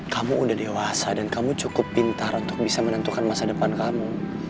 kamu udah dewasa dan kamu cukup pintar untuk bisa menentukan masa depan kamu